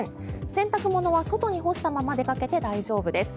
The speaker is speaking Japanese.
洗濯物は外に干したまま出かけて大丈夫です。